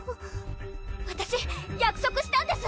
わたし約束したんです！